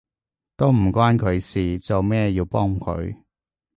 都唔關佢事，做乜要幫佢？